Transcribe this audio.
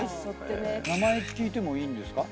名前聞いてもいいんですか？